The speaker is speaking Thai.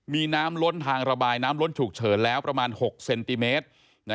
มีน้ำล้นทางระบายน้ำล้นฉุกเฉินแล้วประมาณ๖เซนติเมตร